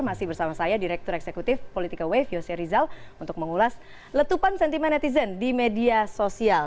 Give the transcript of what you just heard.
masih bersama saya direktur eksekutif politika wave yose rizal untuk mengulas letupan sentimen netizen di media sosial